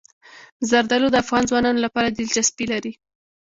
زردالو د افغان ځوانانو لپاره دلچسپي لري.